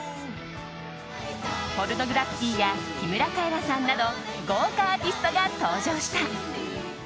ポルノグラフィティや木村カエラさんなど豪華アーティストが登場した。